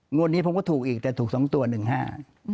งวดนี้ผมก็ถูกอีกแต่ถูก๒ตัว๑ห้า